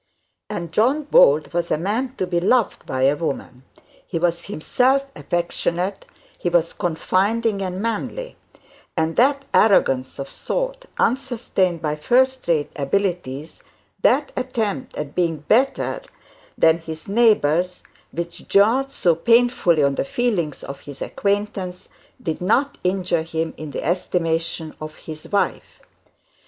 And John Bold was a man to be loved by a woman; he was himself affectionate, he was confiding and manly; and that arrogance of thought, unsustained by first rate abilities, that attempt at being better than his neighbours which jarred so painfully on the feelings of his acquaintances, did not injure him in the estimation of his wife.